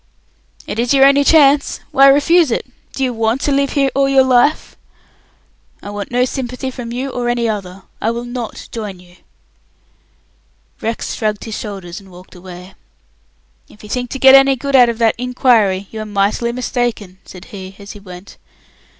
"It is your only chance. Why refuse it? Do you want to live here all your life?" "I want no sympathy from you or any other. I will not join you." Rex shrugged his shoulders and walked away. "If you think to get any good out of that 'inquiry', you are mightily mistaken," said he, as he went.